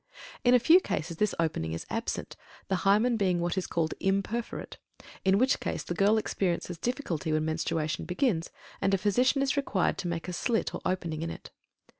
In a few cases this opening is absent, the Hymen being what is called "imperforate"; in which case the girl experiences difficulty when menstruation begins, and a physician is required to make a slit or opening in it.